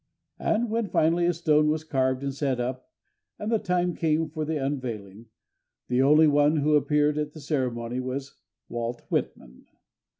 And when, finally, a stone was carved and set up and the time came for the unveiling, the only one who appeared at the ceremony was Walt Whitman.